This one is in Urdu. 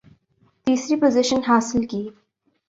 تیسری پوزیشن حاصل کی